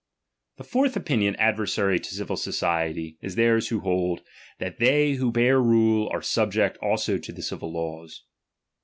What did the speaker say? The fourth opinion adversary to civil society, T^ne^ is their'a who hold, that they who bear rule are tuIZ^ subject also to the civil laivs.